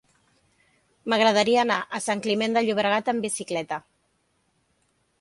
M'agradaria anar a Sant Climent de Llobregat amb bicicleta.